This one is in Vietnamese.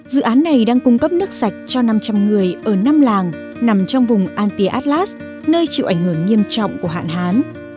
dự án này đang cung cấp nước sạch cho năm trăm linh người ở năm làng nằm trong vùng anti atlas nơi chịu ảnh hưởng nghiêm trọng của hạn hán